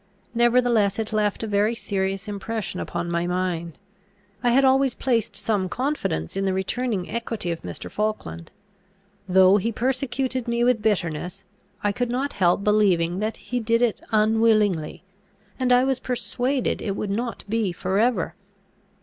Nevertheless, it left a very serious impression upon my mind. I had always placed some confidence in the returning equity of Mr. Falkland. Though he persecuted me with bitterness, I could not help believing that he did it unwillingly, and I was persuaded it would not be for ever.